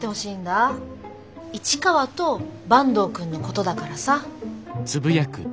市川と坂東くんのことだからさ。